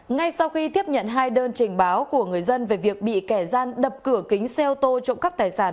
ngay sau khi tiếp nhận hai đơn trình báo của người dân về việc bị kẻ gian đập cửa kính xe ô tô trộm cắp tài sản